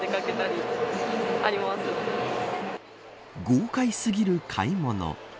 豪快すぎる買い物。